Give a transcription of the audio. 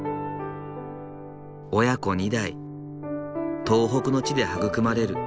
親子２代東北の地で育まれる匠の技。